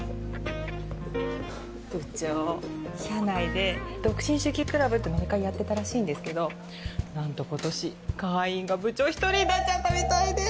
部長社内で「独身主義クラブ」って飲み会やってたらしいんですけどなんと今年会員が部長１人になっちゃったみたいで！